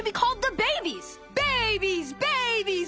ベイビーズ！